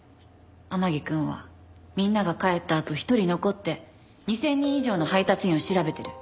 天樹くんはみんなが帰ったあと一人残って２０００人以上の配達員を調べてる。